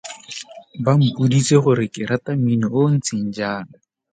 Ba mpoditse gore ke rata mmino o o ntseng jang.